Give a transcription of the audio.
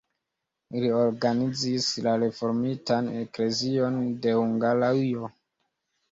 Li organizis la reformitan eklezion de Hungarujo.